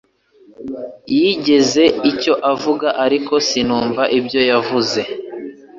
yagize icyo avuga, ariko sinumva ibyo yavuze.